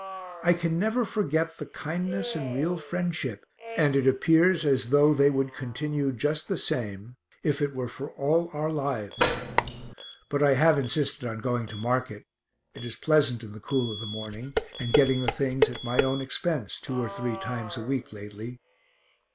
I can never forget the kindness and real friendship, and it appears as though they would continue just the same, if it were for all our lives. But I have insisted on going to market (it is pleasant in the cool of the morning) and getting the things at my own expense, two or three times a week lately.